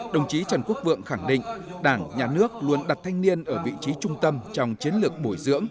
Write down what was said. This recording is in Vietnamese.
đồng chí trần quốc vượng khẳng định đảng nhà nước luôn đặt thanh niên ở vị trí trung tâm trong chiến lược bồi dưỡng